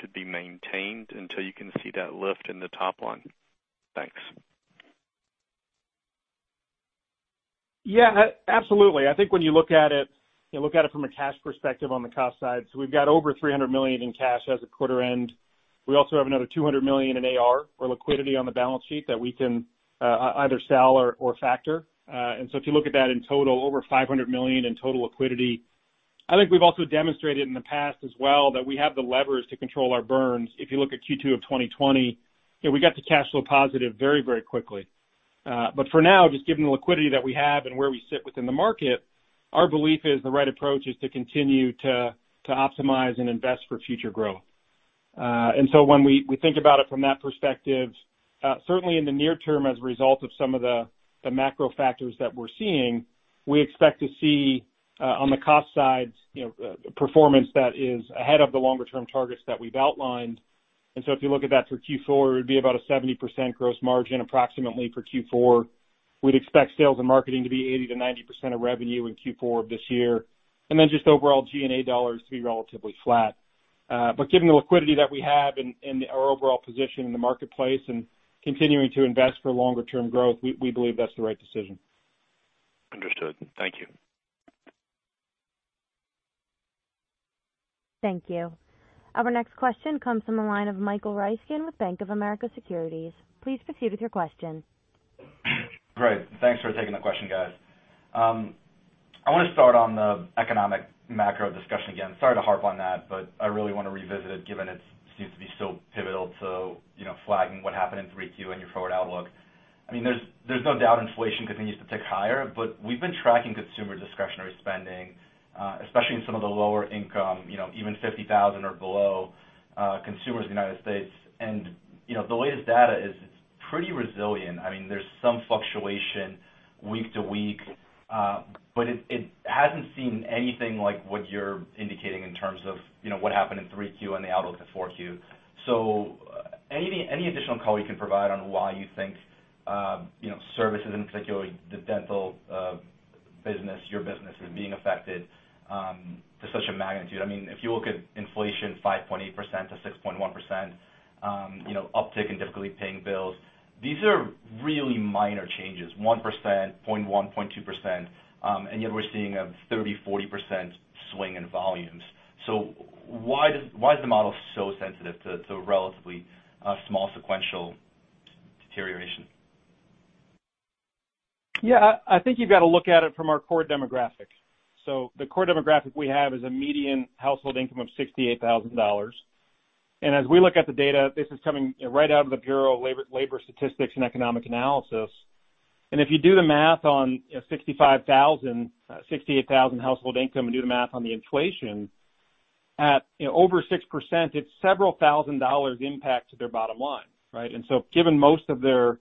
should be maintained until you can see that lift in the top line? Thanks.
Yeah. absolutely. I think when you look at it, you look at it from a cash perspective on the cost side, we've got over $300 million in cash as of quarter end. We also have another $200 million in AR or liquidity on the balance sheet that we can either sell or factor. If you look at that in total, over $500 million in total liquidity. I think we've also demonstrated in the past as well that we have the levers to control our burns. If you look at Q2 of 2020, you know, we got to cash flow positive very, very quickly. for now, just given the liquidity that we have and where we sit within the market, our belief is the right approach is to continue to optimize and invest for future growth. When we think about it from that perspective, certainly in the near term as a result of some of the macro factors that we're seeing, we expect to see on the cost side, you know, performance that is ahead of the longer term targets that we've outlined. If you look at that for Q4, it would be about a 70% gross margin approximately for Q4. We'd expect sales and marketing to be 80%-90% of revenue in Q4 of this year. Then just overall G&A dollars to be relatively flat. Given the liquidity that we have and our overall position in the marketplace and continuing to invest for longer term growth, we believe that's the right decision.
Understood. Thank you.
Thank you. Our next question comes from the line of Michael Ryskin with Bank of America Securities. Please proceed with your question.
Great. Thanks for taking the question, guys. I wanna start on the economic macro discussion again. Sorry to harp on that, but I really wanna revisit it given it seems to be so pivotal to, you know, flagging what happened in 3Q and your forward outlook. I mean, there's no doubt inflation continues to tick higher, but we've been tracking consumer discretionary spending, especially in some of the lower income, you know, even $50,000 or below, consumers in the U.S. You know, the latest data is pretty resilient. I mean, there's some fluctuation week to week, but it hasn't seen anything like what you're indicating in terms of, you know, what happened in 3Q and the outlook for 4Q. Any additional color you can provide on why you think, you know, services in particular, the dental business, your business is being affected to such a magnitude? I mean, if you look at inflation 5.8% to 6.1%, you know, uptick in difficulty paying bills, these are really minor changes, 1%, 0.1%, 0.2%, and yet we're seeing a 30%-40% swing in volumes. Why is the model so sensitive to a relatively small sequential deterioration?
I think you've got to look at it from our core demographics. The core demographic we have is a median household income of $68,000. As we look at the data, this is coming right out of the Bureau of Labor Statistics and Economic Analysis. If you do the math on $65,000-$68,000 household income and do the math on the inflation, at, you know, over 6%, it's several thousand dollars impact to their bottom line, right? Given most of their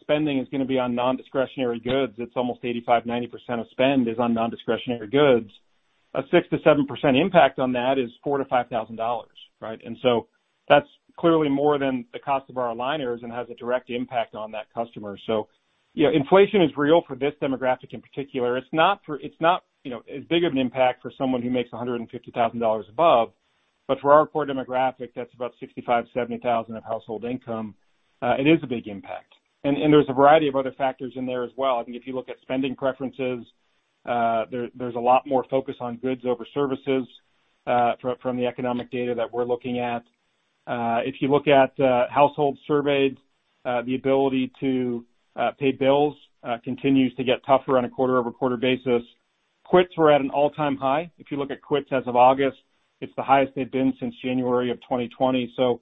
spending is gonna be on non-discretionary goods, it's almost 85%-90% of spend is on non-discretionary goods, a 6%-7% impact on that is $4,000-$5,000, right? That's clearly more than the cost of our aligners and has a direct impact on that customer. You know, inflation is real for this demographic in particular. It's not, you know, as big of an impact for someone who makes $150,000 above. For our core demographic, that's about $65,000-$70,000 of household income, it is a big impact. There's a variety of other factors in there as well. I think if you look at spending preferences, there's a lot more focus on goods over services, from the economic data that we're looking at. If you look at households surveyed, the ability to pay bills continues to get tougher on a quarter-over-quarter basis. Quits were at an all-time high. If you look at quits as of August, it's the highest they've been since January of 2020. I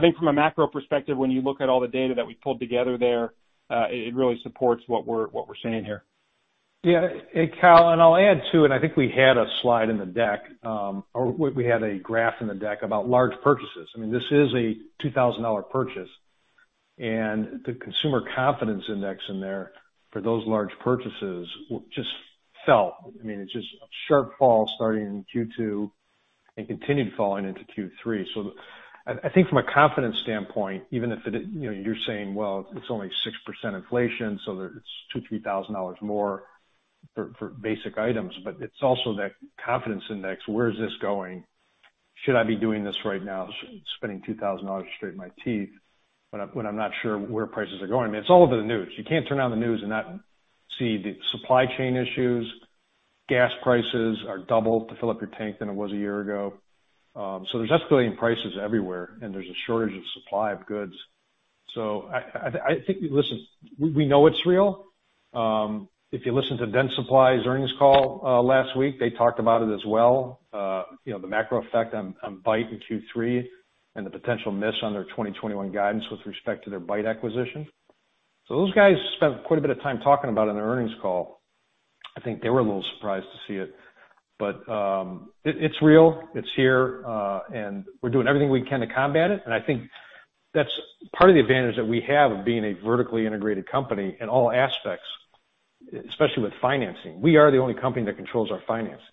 think from a macro perspective, when you look at all the data that we pulled together there, it really supports what we're seeing here.
Yeah. Kyle, I'll add too, I think we had a slide in the deck, or we had a graph in the deck about large purchases. I mean, this is a $2,000 purchase, the Consumer Confidence Index in there for those large purchases just fell. I mean, it's just a sharp fall starting in Q2 and continued falling into Q3. I think from a confidence standpoint, even if it, you know, you're saying, well, it's only 6% inflation, it's $2,000-$3,000 more for basic items. It's also that Consumer Confidence Index. Where is this going? Should I be doing this right now, spending $2,000 to straighten my teeth when I'm not sure where prices are going? I mean, it's all over the news. You can't turn on the news and not see the supply chain issues. Gas prices are 2x to fill up your tank than it was a year ago. There's escalating prices everywhere, and there's a shortage of supply of goods. I think, listen, we know it's real. If you listen to Dentsply Sirona's earnings call last week, they talked about it as well. You know, the macro effect on Byte in Q3 and the potential miss on their 2021 guidance with respect to their Byte acquisition. Those guys spent quite a bit of time talking about it in their earnings call. I think they were a little surprised to see it. It's real, it's here, and we're doing everything we can to combat it. I think that's part of the advantage that we have of being a vertically integrated company in all aspects, especially with financing. We are the only company that controls our financing.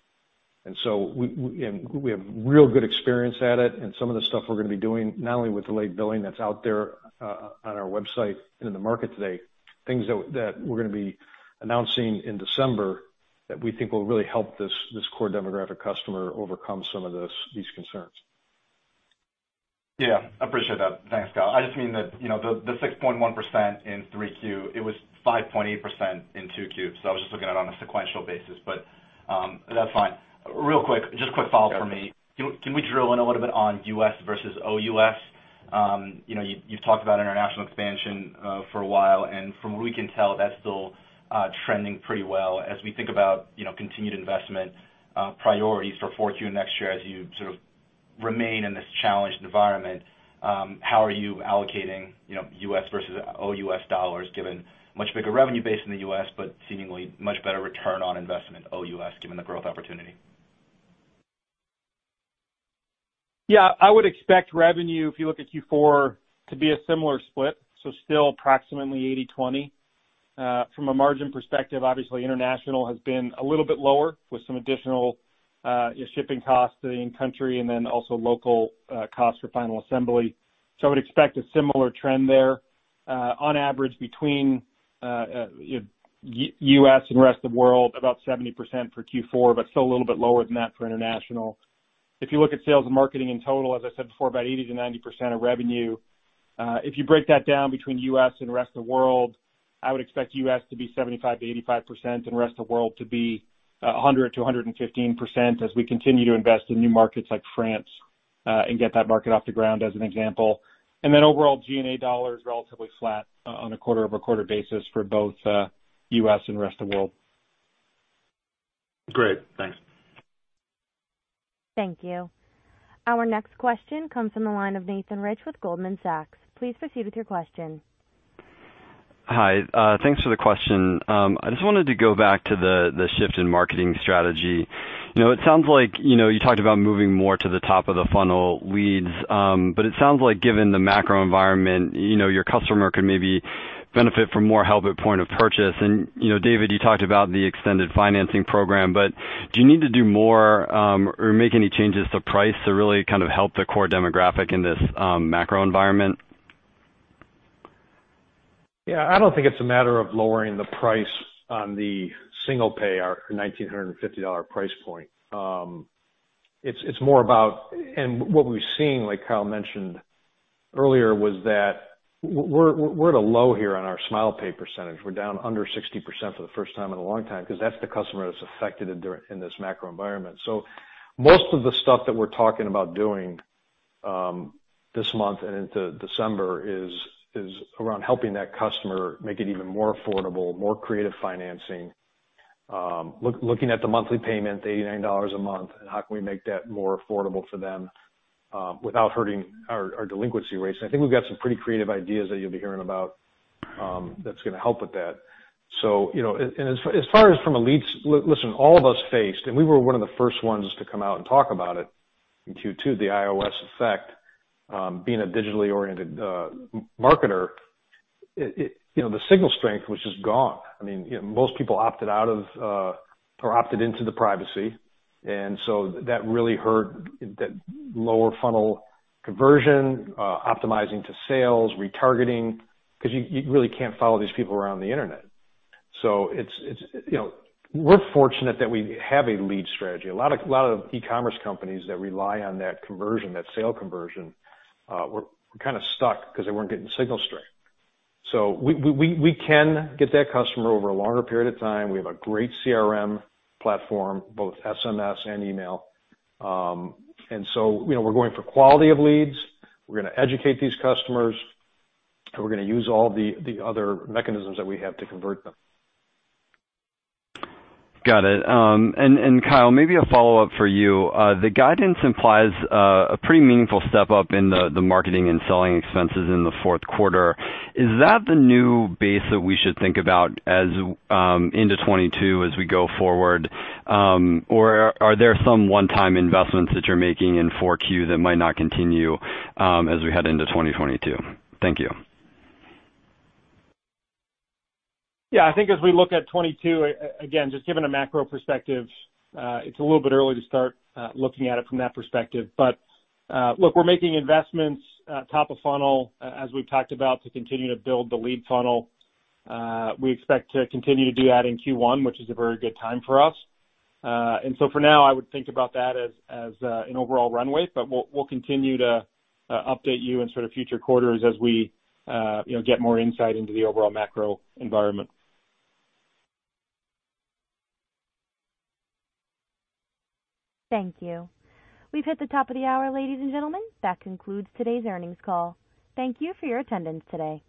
We, and we have real good experience at it. Some of the stuff we're gonna be doing, not only with the late billing that's out there, on our website and in the market today, things that we're gonna be announcing in December that we think will really help this core demographic customer overcome some of this, these concerns.
Yeah, I appreciate that. Thanks, Kyle. I just mean that, you know, 6.1% in 3Q, it was 5.8% in 2Q, so I was just looking at it on a sequential basis. That's fine. Real quick, just a quick follow-up from me. Can we drill in a little bit on U.S. versus OUS? You know, you've talked about international expansion for a while, and from what we can tell, that's still trending pretty well. As we think about, you know, continued investment priorities for 4Q next year as you sort of remain in this challenged environment. How are you allocating, you know, U.S. versus OUS dollars given much bigger revenue base in the U.S., but seemingly much better return on investment OUS given the growth opportunity?
Yeah, I would expect revenue, if you look at Q4, to be a similar split, so still approximately 80/20. From a margin perspective, obviously international has been a little bit lower with some additional shipping costs to in country and then also local costs for final assembly. I would expect a similar trend there, on average between U.S. and rest of world, about 70% for Q4, but still a little bit lower than that for international. If you look at sales and marketing in total, as I said before, about 80%-90% of revenue. If you break that down between U.S. and rest of the world, I would expect U.S. to be 75%-85% and rest of world to be 100%-115% as we continue to invest in new markets like France, and get that market off the ground as an example. Overall G&A dollar is relatively flat on a quarter-over-quarter basis for both, U.S. and rest of world.
Great. Thanks.
Thank you. Our next question comes from the line of Nathan Rich with Goldman Sachs. Please proceed with your question.
Hi. Thanks for the question. I just wanted to go back to the shift in marketing strategy. You know, it sounds like, you know, you talked about moving more to the top of the funnel leads, but it sounds like given the macro environment, you know, your customer could maybe benefit from more help at point of purchase. You know, David, you talked about the extended financing program, but do you need to do more or make any changes to price to really kind of help the core demographic in this macro environment?
Yeah. I don't think it's a matter of lowering the price on the single pay, our $1,950 price point. It's more about what we've seen, like Kyle mentioned earlier, was that we're at a low here on our SmilePay percentage. We're down under 60% for the first time in a long time because that's the customer that's affected in this macro environment. Most of the stuff that we're talking about doing this month and into December is around helping that customer make it even more affordable, more creative financing, looking at the monthly payment, the $89 a month, and how can we make that more affordable for them without hurting our delinquency rates. I think we've got some pretty creative ideas that you'll be hearing about that's gonna help with that. You know, as far as from a leads. Listen, all of us faced, and we were one of the first ones to come out and talk about it in Q2, the iOS effect, being a digitally oriented marketer. You know, the signal strength was just gone. I mean, most people opted out of or opted into the privacy. That really hurt that lower funnel conversion, optimizing to sales, retargeting, 'cause you really can't follow these people around the internet. It's, you know, we're fortunate that we have a lead strategy. A lot of e-commerce companies that rely on that conversion, that sale conversion, were kind of stuck because they weren't getting signal strength. We can get that customer over a longer period of time. We have a great CRM platform, both SMS and email. You know, we're going for quality of leads. We're gonna educate these customers, and we're gonna use all the other mechanisms that we have to convert them.
Got it. And Kyle, maybe a follow-up for you. The guidance implies a pretty meaningful step-up in the marketing and selling expenses in the fourth quarter. Is that the new base that we should think about as into 2022 as we go forward? Are there some one-time investments that you're making in Q4 that might not continue as we head into 2022? Thank you.
Yeah. I think as we look at 2022, again, just given a macro perspective, it's a little bit early to start looking at it from that perspective. Look, we're making investments, top of funnel, as we've talked about, to continue to build the lead funnel. We expect to continue to do that in Q1, which is a very good time for us. For now, I would think about that as an overall runway, but we'll continue to update you in sort of future quarters as we, you know, get more insight into the overall macro environment.
Thank you. We've hit the top of the hour, ladies and gentlemen. That concludes today's earnings call. Thank you for your attendance today.